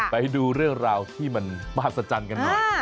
ไปดูเรื่องราวที่มันมากสัจจันทร์กันหน่อย